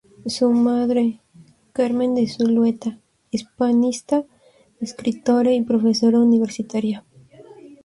Su madre, Carmen de Zulueta, hispanista, escritora y profesora universitaria.